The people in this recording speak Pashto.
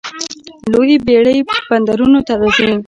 لویې بیړۍ بندرونو ته راځي.